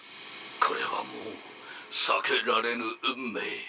これはもう避けられぬ運命。